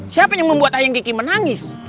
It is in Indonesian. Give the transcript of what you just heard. siapa yang membuat ayang kiki menangis